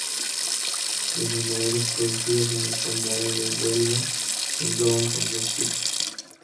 Los vinagres producidos en el Condado de Huelva se engloban en dos tipos.